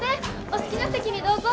お好きな席にどうぞ。